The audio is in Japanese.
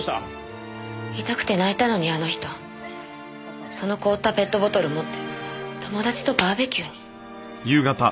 痛くて泣いたのにあの人その凍ったペットボトル持って友達とバーベキューに。